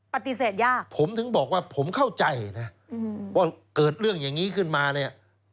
ปฏิเสธยากผมถึงบอกว่าผมเข้าใจนะว่าเกิดเรื่องอย่างนี้ขึ้นมาเนี่ย